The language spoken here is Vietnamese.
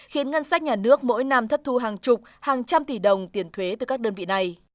khiến ngân sách nhà nước mỗi năm thất thu hàng chục hàng trăm tỷ đồng tiền thuế từ các đơn vị này